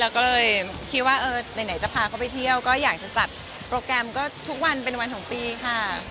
ก็เลยคิดว่าไหนจะพาเขาไปเที่ยวก็อยากจะจัดโปรแกรมก็ทุกวันเป็นวันของปีค่ะ